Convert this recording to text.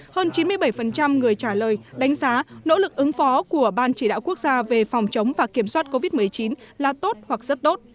hơn chín mươi bảy người trả lời đánh giá nỗ lực ứng phó của ban chỉ đạo quốc gia về phòng chống và kiểm soát covid một mươi chín là tốt hoặc rất đốt